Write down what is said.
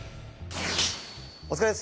お疲れっす。